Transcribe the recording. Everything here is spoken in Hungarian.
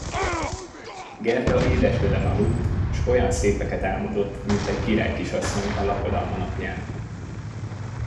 Gerda édesdeden aludt, s olyan szépeket álmodott, mint egy királykisasszony a lakodalma napján.